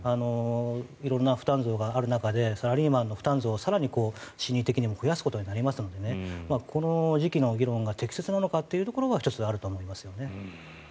色んな負担増がある中でサラリーマンの負担を更に心理的にも増やすことになりますのでこの時期の議論が適切なのかというところは１つ、あるなと思いますね。